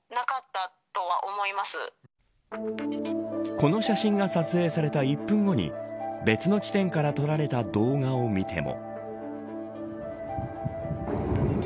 この写真が撮影された１分後に別の地点から撮られた動画を見ても。